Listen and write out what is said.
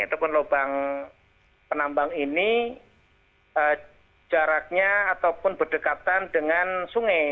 yang penambang ini jaraknya ataupun berdekatan dengan sungai